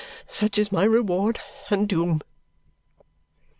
Such is my reward and doom.